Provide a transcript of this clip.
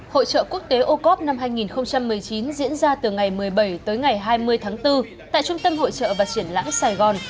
hội trợ quốc tế ô cốp năm hai nghìn một mươi chín diễn ra từ ngày một mươi bảy tới ngày hai mươi tháng bốn tại trung tâm hội trợ và triển lãm sài gòn